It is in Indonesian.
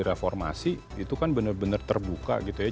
jadi reformasi itu kan benar benar terbuka gitu ya